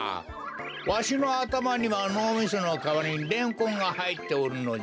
わしのあたまにはのうみそのかわりにレンコンがはいっておるのじゃ。